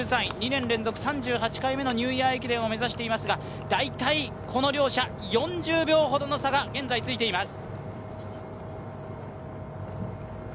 ２年連続３８回目のニューイヤー駅伝を目指していますが、大体この両者４０秒ほどの差がついています。